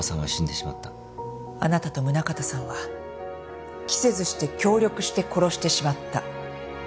あなたと宗形さんは期せずして協力して殺してしまった。